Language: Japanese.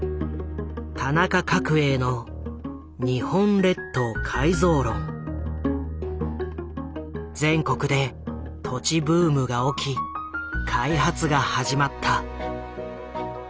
田中角栄の全国で土地ブームが起き開発が始まった。